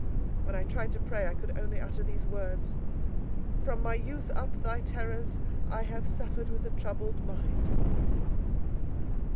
When I tried to pray I could only utter these words: "From my youth up Thy terrors have I suffered with a troubled mind."